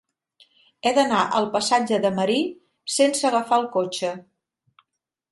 He d'anar al passatge de Marí sense agafar el cotxe.